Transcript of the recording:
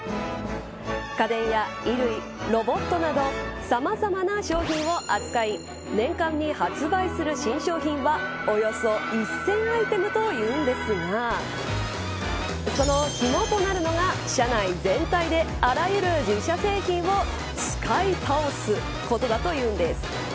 家電や衣類、ロボットなどさまざまな商品を扱い年間に発売する新商品はおよそ１０００アイテムというんですがその肝となるのが社内全体で、あらゆる自社製品を使い倒すことだというんです。